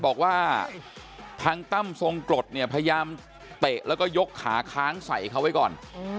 บอกว่าทางตั้มทรงกรดเนี่ยพยายามเตะแล้วก็ยกขาค้างใส่เขาไว้ก่อน